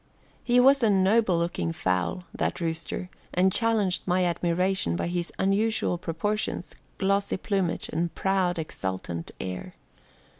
He was a noble looking fowl, that rooster, and challenged my admiration by his unusual proportions, glossy plumage, and proud, exultant air.